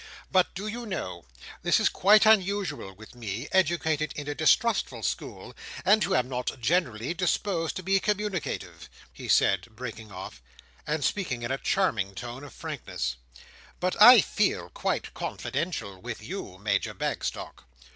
"But do you know—this is quite unusual with me, educated in a distrustful school, and who am not generally disposed to be communicative," he said, breaking off, and speaking in a charming tone of frankness—"but I feel quite confidential with you, Major Bagstock."